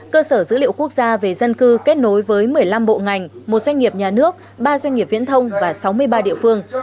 cơ sở dữ liệu quốc gia về dân cư kết nối với một mươi năm bộ ngành một doanh nghiệp nhà nước ba doanh nghiệp viễn thông và sáu mươi ba địa phương